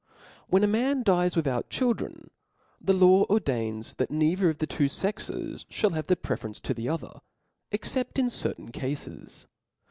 When a man dies without children, the law or dains that neither of the two fexes ihall have the preference to the other, except in certain cafes.